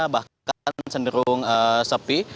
bahkan senderung sepi